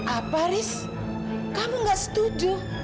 apa riz kamu gak setuju